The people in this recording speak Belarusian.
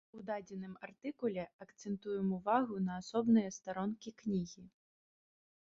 У дадзеным артыкуле акцэнтуем увагу на асобныя старонкі кнігі.